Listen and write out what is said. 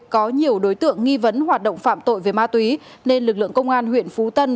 có nhiều đối tượng nghi vấn hoạt động phạm tội về ma túy nên lực lượng công an huyện phú tân